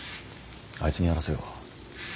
あいつにやらせよう。